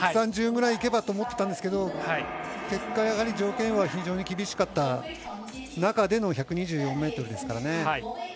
１３０ぐらいいけばと思っていたんですけど結果、条件は非常に厳しかった中での１２４ｍですからね。